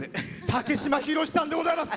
竹島宏さんです。